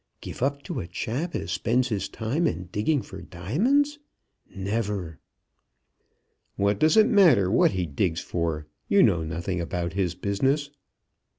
Give up to a chap as spends his time in digging for diamonds! Never!" "What does it matter what he digs for; you know nothing about his business."